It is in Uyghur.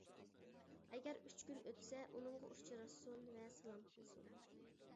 ئەگەر ئۈچ كۈن ئۆتسە ئۇنىڭغا ئۇچراشسۇن ۋە سالام قىلسۇن.